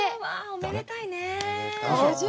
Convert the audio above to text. おめでたい。